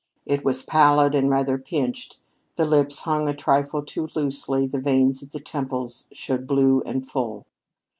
It was pallid and rather pinched; the lips hung a trifle too loosely; the veins at the temples showed blue and full.